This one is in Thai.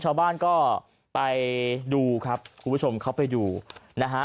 ชาวบ้านก็ไปดูครับคุณผู้ชมเขาไปดูนะฮะ